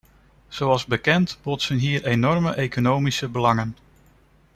Zoals bekend botsen hier enorme economische belangen.